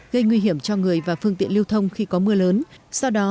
gây nguy hiểm cho người và phương tiện lưu thông khi có mưa lớn